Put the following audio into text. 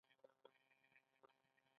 ایا بخښنه کوئ؟